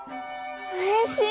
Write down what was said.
うれしい！